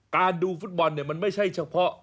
ดูฟุตบอลเนี่ยมันไม่ใช่เฉพาะ